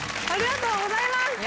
ありがとうございます。